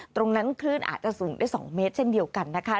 ตรงนั้นคลื่นอาจจะสูงได้สองเมตรเช่นเดียวกันนะคะ